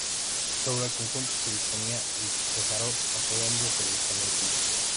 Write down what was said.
Sobre el conjunto se disponía el tejaroz apoyado sobre canecillos.